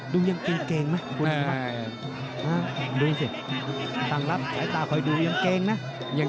ดูยังเก่งมั้ยคุณหนูครับ